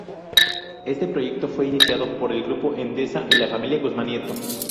Este proyecto fue iniciado por el grupo Endesa y la Familia Guzmán Nieto.